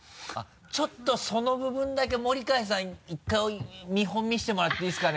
ちょっとその部分だけ森開さん１回見本見せてもらっていいですかね？